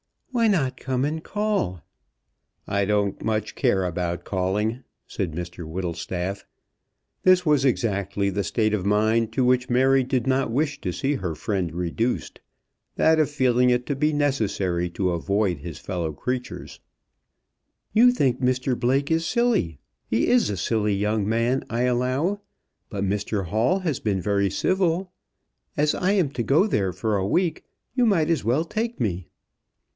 "Why not come and call?" "I don't much care about calling," said Mr Whittlestaff. This was exactly the state of mind to which Mary did not wish to see her friend reduced, that of feeling it to be necessary to avoid his fellow creatures. "You think Mr Blake is silly. He is a silly young man, I allow; but Mr Hall has been very civil. As I am to go there for a week, you might as well take me."